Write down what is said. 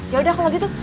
ya udah kalau gitu